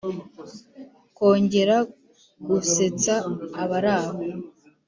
kongera gusetsa abaraho